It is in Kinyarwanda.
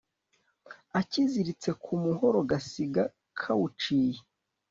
akiziritse ku muhoro gasiga kawuciye